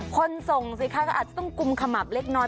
คนส่งสิคะก็อาจจะต้องกุมขมับเล็กน้อย